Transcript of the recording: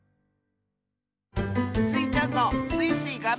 スイちゃんの「スイスイ！がんばるぞ」